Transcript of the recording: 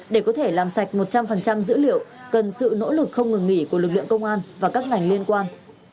để có thể làm sạch một trăm linh dữ liệu cần sự nỗ lực không ngừng nghỉ của lực lượng công an và các ngành liên quan